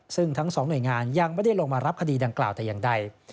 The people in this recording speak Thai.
ซึ่งทั้งสองหน่วยงานยังไม่ได้ลงมารับคดีดังกล่าวแต่อย่างใด